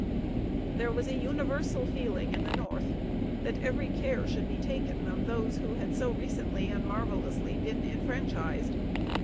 There was a universal feeling in the North that every care should be taken of those who had so recently and marvellously been enfranchised.